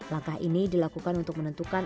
langkah ini dilakukan untuk menentukan